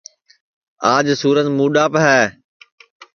آج سورج مُڈٚاپ ہے